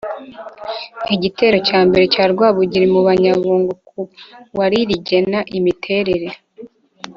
Igitero cya mbere cya Rwabugiri mu Bunyabungo ku wa rigena imiterere